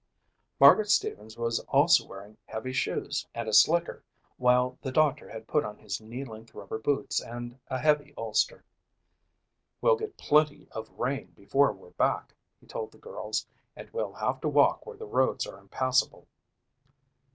Margaret Stevens was also wearing heavy shoes and a slicker while the doctor had put on knee length rubber boots and a heavy ulster. "We'll get plenty of rain before we're back," he told the girls, "and we'll have to walk where the roads are impassable."